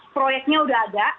proyeknya udah ada